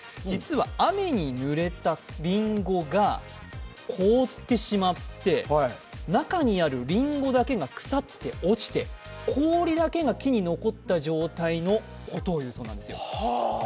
実は雨にぬれたりんごが凍ってしまって中にあるりんごだけが腐って落ちて、氷だけが木に残った状態のことをいうそうなんですよ。